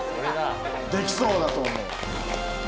できそうだと思う。